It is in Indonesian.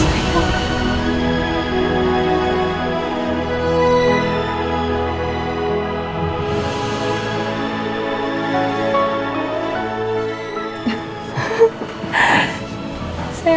saya seneng banget kamu dateng